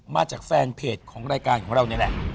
มาจากแฟนเพจของรายการของเรานี่แหละ